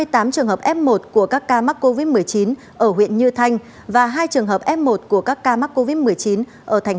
năm mươi tám trường hợp f một của các ca mắc covid một mươi chín ở huyện như thanh và hai trường hợp f một của các ca mắc covid một mươi chín ở huyện nông cống